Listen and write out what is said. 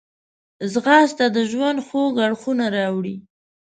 ځغاسته د ژوند خوږ اړخونه راوړي